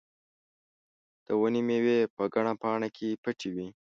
د ونې مېوې په ګڼه پاڼه کې پټې وې.